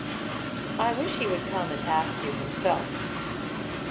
"I wish he would come and ask you himself."